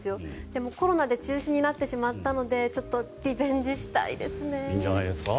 でもコロナで中止になってしまったのでいいんじゃないですか。